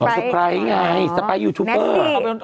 สไพรส์ไงสไปร์ยูทูปเปอร์